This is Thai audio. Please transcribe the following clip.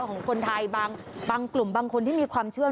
ของคนไทยบางกลุ่มบางคนที่มีความเชื่อ